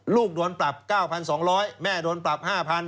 โดนปรับ๙๒๐๐แม่โดนปรับ๕๐๐